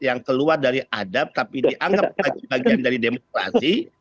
yang keluar dari adab tapi dianggap sebagai bagian dari demokrasi